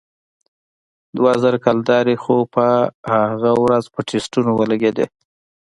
دوه زره کلدارې خو پر هغه ورځ په ټسټونو ولگېدې.